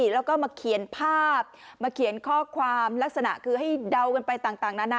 แล้วก็มาเขียนภาพมาเขียนข้อความลักษณะคือให้เดากันไปต่างนานา